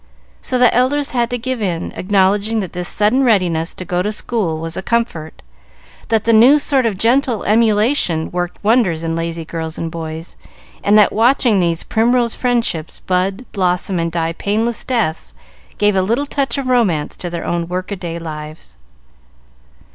So the elders had to give in, acknowledging that this sudden readiness to go to school was a comfort, that the new sort of gentle emulation worked wonders in lazy girls and boys, and that watching these "primrose friendships" bud, blossom, and die painless deaths, gave a little touch of romance to their own work a day lives.